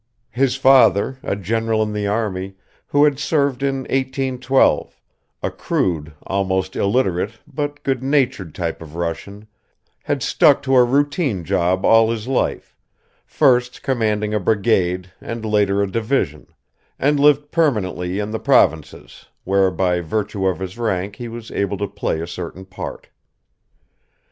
His father, a general in the army, who had served in 1812, a crude, almost illiterate, but good natured type of Russian, had stuck to a routine job all his life, first commanding a brigade and later a division, and lived permanently in the provinces, where by virtue of his rank he was able to play a certain part.